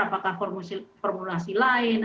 apakah formulasi lain